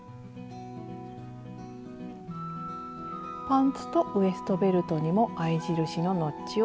パンツとウエストベルトにも合い印のノッチを入れます。